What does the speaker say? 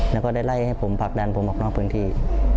แล้วก็ได้ไล่ให้ผมผลักดันผมออกนอกพื้นที่